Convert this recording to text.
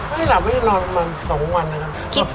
ไม่ได้หลับไม่ได้นอนมา๒วันนะครับ